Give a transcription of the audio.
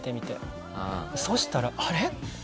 そしたら「あれ？」